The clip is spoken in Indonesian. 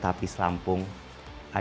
ataupun oleh para bangsawan saja